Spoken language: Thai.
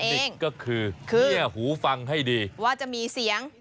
เทคนิคก็คือเหี้ยหูฟังให้ดีว่าจะมีเสียง